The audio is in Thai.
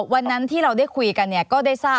วันนั้นที่เราได้คุยกันเนี่ยก็ได้ทราบ